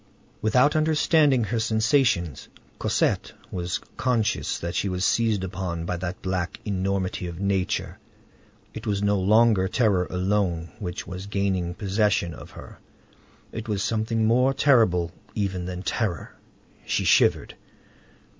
Without understanding her sensations, Cosette was conscious that she was seized upon by that black enormity of nature; it was no longer terror alone which was gaining possession of her; it was something more terrible even than terror; she shivered.